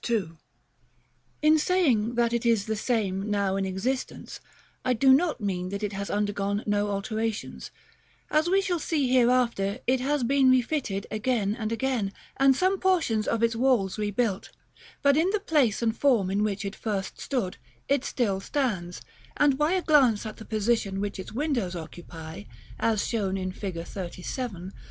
§ XIX. In saying that it is the same now in existence, I do not mean that it has undergone no alterations; as we shall see hereafter, it has been refitted again and again, and some portions of its walls rebuilt; but in the place and form in which it first stood, it still stands; and by a glance at the position which its windows occupy, as shown in fig. XXXVII.